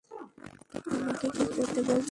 আমাকে কী করতে বলছো?